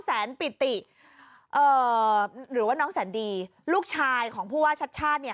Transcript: ปิติเอ่อหรือว่าน้องแสนดีลูกชายของผู้ว่าชัดชาติเนี่ย